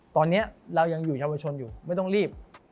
ตอนนี้เรายังอยู่เยาวชนอยู่ไม่ต้องรีบ